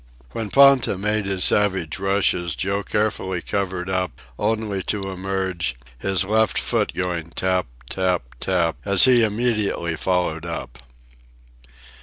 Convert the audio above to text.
When Ponta made his savage rushes, Joe carefully covered up, only to emerge, his left foot going tap, tap, tap, as he immediately followed up.